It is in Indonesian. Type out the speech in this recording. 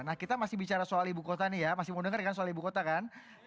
nah kita masih bicara soal ibu kota nih ya masih mau dengar kan soal ibu kota kan